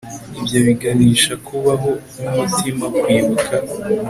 ibyo biganisha, kubaho nkumutima, kwibuka